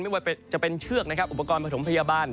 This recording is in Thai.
ไม่ว่าจะเป็นเชือกนะครับอุปกรณ์ประถมพยาบาล